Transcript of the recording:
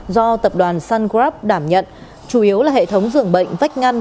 do tập đoàn suncrop đảm nhận chủ yếu là hệ thống dưỡng bệnh vách ngăn